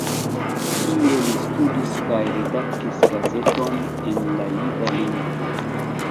Tie li studis kaj redaktis gazeton en la jida lingvo.